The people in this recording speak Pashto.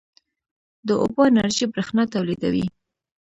د اوبو انرژي برښنا تولیدوي